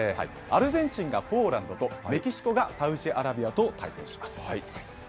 アルゼンチンがポーランドと、メキシコがサウジアラビアと対戦します。